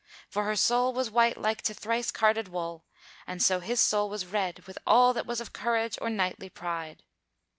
For her soul was white like to thrice carded wool, and so his soul was red with all that was of courage or knightly pride.